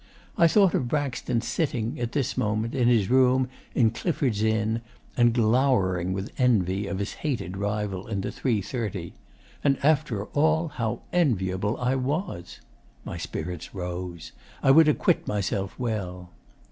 I thought of Braxton sitting, at this moment, in his room in Clifford's Inn and glowering with envy of his hated rival in the 3.30. And after all, how enviable I was! My spirits rose. I would acquit myself well....